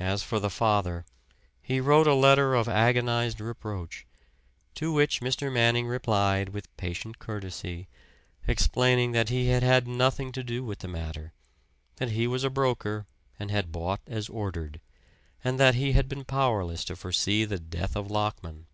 As for the father, he wrote a letter of agonized reproach, to which Mr. Manning replied with patient courtesy, explaining that he had had nothing to do with the matter; that he was a broker and had bought as ordered, and that he had been powerless to foresee the death of Lockman.